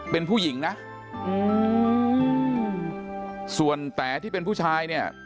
เป็นผู้หญิงนะอืมส่วนแต๋ที่เป็นผู้ชายเนี่ย